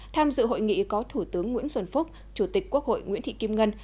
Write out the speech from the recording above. tham dự hội nghị có thủ tướng nguyễn xuân phúc chủ tịch quốc hội nguyễn thị kim ngân